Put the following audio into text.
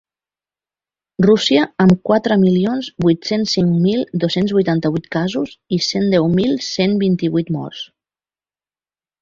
Rússia, amb quatre milions vuit-cents cinc mil dos-cents vuitanta-vuit casos i cent deu mil cent vint-i-vuit morts.